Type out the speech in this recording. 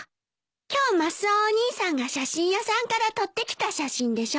今日マスオお兄さんが写真屋さんから取ってきた写真でしょ？